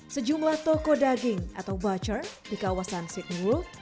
sejumlah toko daging atau butcher di kawasan sydney road